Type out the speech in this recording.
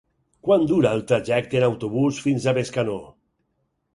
Quant dura el trajecte en autobús fins a Bescanó?